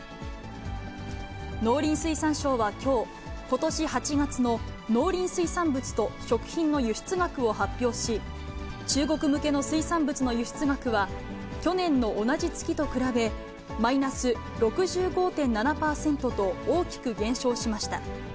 農林水産省はきょう、ことし８月の農林水産物と食品の輸出額を発表し、中国向けの水産物の輸出額は、去年の同じ月と比べ、マイナス６５．７％と大きく減少しました。